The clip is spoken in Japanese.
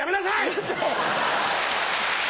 うるせぇ。